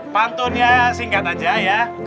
pantunnya singkat aja ya